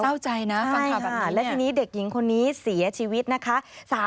เศร้าใจนะฟังข่าวแบบนั้นและทีนี้เด็กหญิงคนนี้เสียชีวิตนะคะ